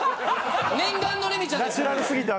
念願のレミちゃんですよ。